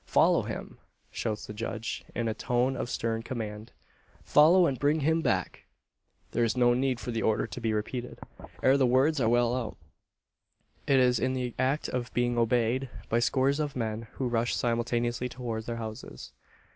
"Follow him!" shouts the judge, in a tone of stern command. "Follow, and bring him back!" There is no need for the order to be repeated. Ere the words are well out, it is in the act of being obeyed by scores of men who rush simultaneously towards their horses.